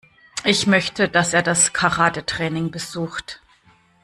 Ich möchte, dass er das Karatetraining besucht.